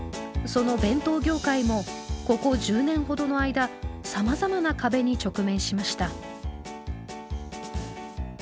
その弁当業界もここ１０年ほどの間さまざまな壁に直面しました。